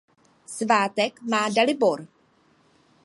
Svátek má Dalibor.